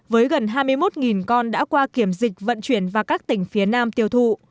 với gần hai mươi một con đã qua kiểm dịch vận chuyển vào các tỉnh phía nam tiêu thụ